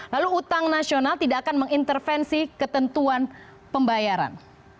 lalu utang nasional tidak akan mengintervensi ketentuan pembayaran